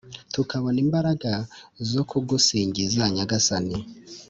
Tukabona imbaraga zo kugusingiza nyagasani